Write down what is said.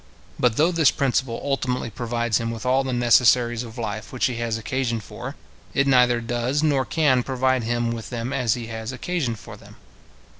But though this principle ultimately provides him with all the necessaries of life which he has occasion for, it neither does nor can provide him with them as he has occasion for them.